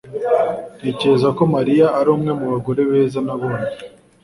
Ntekereza ko Mariya ari umwe mu bagore beza nabonye